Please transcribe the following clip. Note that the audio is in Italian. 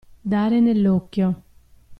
Dare nell'occhio.